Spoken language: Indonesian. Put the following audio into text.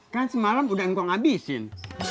kan semalam udah ngkong abisin